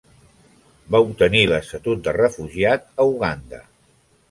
Va obtenir l'estatut de refugiat a Uganda.